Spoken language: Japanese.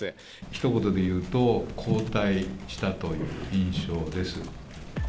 ひと言で言うと、後退したという印象です。